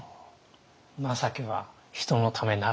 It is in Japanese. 情けは人のためならず。